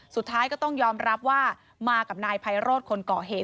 สุดท้ายก็ต้องยอมรับว่ามากับนายไพโรธคนก่อเหตุ